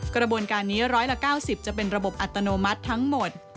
กระบวนการนี้๑๙๐จะเป็นระบบอัตโนมัติทั้งหมด